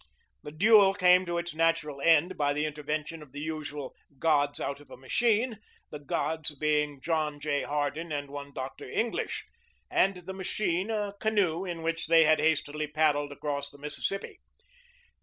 The duel came to its natural end by the intervention of the usual "gods out of a machine," the gods being John J. Hardin and one Dr. English, and the machine a canoe in which they had hastily paddled across the Mississippi.